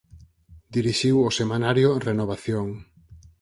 Dirixiu o semanario "Renovación".